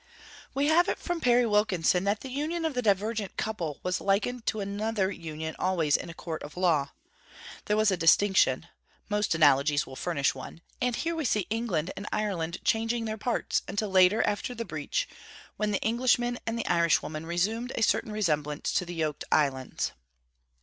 We have it from Perry Wilkinson that the union of the divergent couple was likened to another union always in a Court of Law. There was a distinction; most analogies will furnish one; and here we see England and Ireland changeing their parts, until later, after the breach, when the Englishman and Irishwoman resumed a certain resemblance to the yoked Islands.